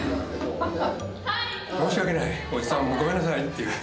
申し訳ないおじさんごめんなさいっていう。